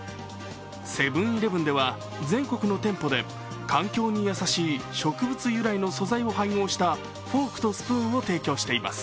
セブン−イレブンでは全国の店舗で環境に優しい植物由来の素材を配合したフォークとスプーンを提供しています。